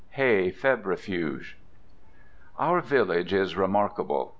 HAY FEBRIFUGE Our village is remarkable.